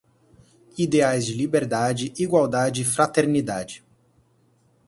Ideais de liberdade, igualdade e fraternidade